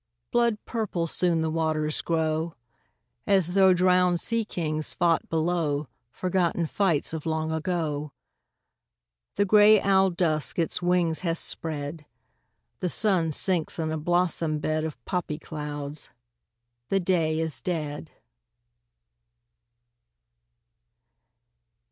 Blood purple soon the waters grow, As though drowned sea kings fought below Forgotten fights of long ago. The gray owl Dusk its wings has spread ; The sun sinks in a blossom bed Of poppy clouds ; the day is dead.